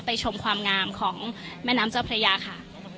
ชมความงามของแม่น้ำเจ้าพระยาค่ะ